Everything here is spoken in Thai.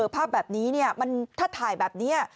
ภาพแบบนี้ถ้าถ่ายแบบนี้